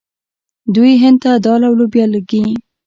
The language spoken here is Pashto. دوی هند ته دال او لوبیا لیږي.